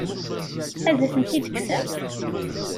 Ad tent-id-tekksem?